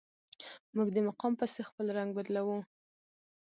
موږ د مقام پسې خپل رنګ بدلوو.